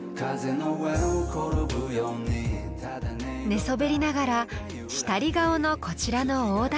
寝そべりながらしたり顔のこちらの大旦那。